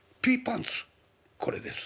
「これです。